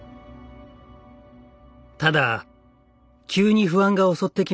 ただ急に不安が襲ってきました。